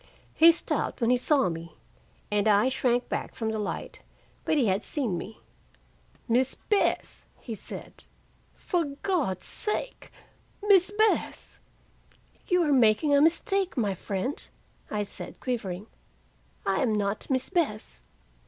He stopped when he saw me, and I shrank back from the light, but he had seen me. "Miss Bess!" he said. "Foh Gawd's sake, Miss Bess!" "You are making a mistake, my friend," I said, quivering. "I am not 'Miss Bess'!"